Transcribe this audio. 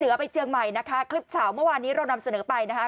เสีอไปเจียงใหม่นะคะคลิปเจ้ามันวันนี้เรานำเสนอไปนะครับ